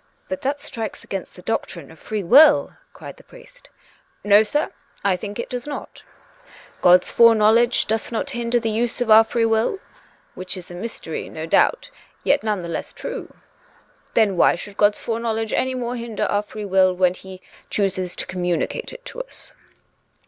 " But that strikes at the doctrine of free will," cried the priest. " No, sir ; I think it does not. God's foreknowledge doth not hinder the use of our free will (which is a mys tery, no doubt, yet none the less true). Then why should God's foreknowledge any more hinder our free will, when He chooses to communicate it to us